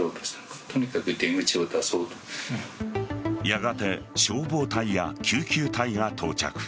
やがて消防隊や救急隊が到着。